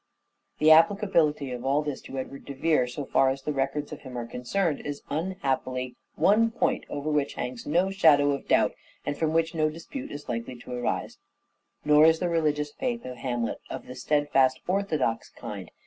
The applicability of all this to Edward de Vere, so far as the records of him are concerned, is, un happily, one point over which hangs no shadow of doubt and from which no dispute is likely to arise. Religious Nor is the religious faith of Hamlet of the steadfast orthodox kind.